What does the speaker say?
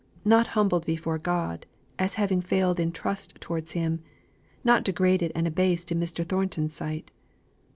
Not humbled before God, as having failed in trust towards Him; not degraded and abased in Mr. Thornton's sight.